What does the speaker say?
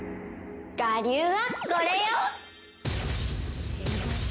我流はこれよ！